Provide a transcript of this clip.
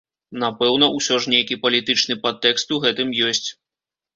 Напэўна, усё ж такі нейкі палітычны падтэкст у гэтым ёсць.